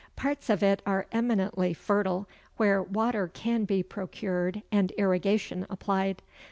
Parts of it are eminently fertile, where water can be procured and irrigation applied.